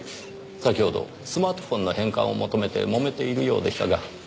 先ほどスマートフォンの返還を求めてもめているようでしたが。